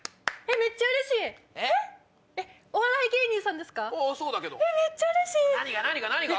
めっちゃうれしい！何が？